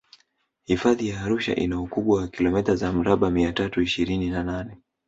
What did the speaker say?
hifadhi ya arusha ina ukubwa wa kilomita za mraba mia tatu ishirini na nane